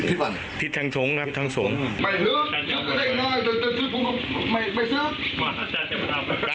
ทิศอะไรทิศทางทรงครับทางสงศ์